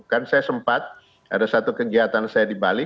kan saya sempat ada satu kegiatan saya di bali